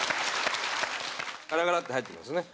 ガラガラッて入ってきますよね。